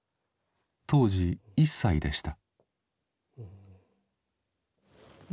当時１歳でした。